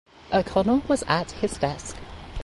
O’Connell was at his desk.